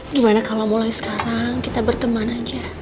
gimana kalau mulai sekarang kita berteman aja